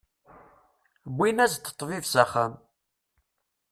Wwin-as-d ṭṭbib s axxam.